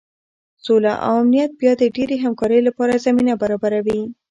سوله او امنیت بیا د ډیرې همکارۍ لپاره زمینه برابروي.